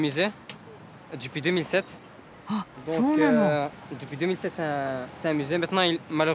あっそうなの。